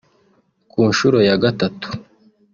Ku nshuro ya gatatu